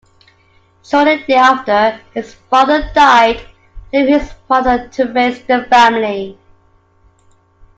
Shortly thereafter, his father died, leaving his mother to raise the family.